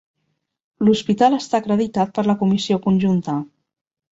L'hospital està acreditat per la comissió conjunta.